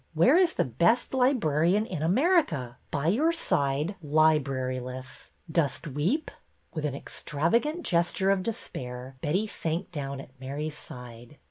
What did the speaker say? Where is the best librarian in America ? By your side, libraryless ! Dost weep? " With an extravagant gesture of despair, Betty sank down at Mary's side.